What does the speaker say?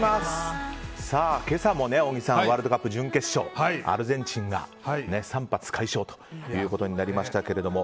今朝も小木さんワールドカップ準決勝アルゼンチンが３発快勝となりましたが。